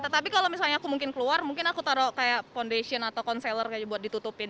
tapi kalau misalnya aku mungkin keluar mungkin aku taruh foundation atau concealer buat ditutupin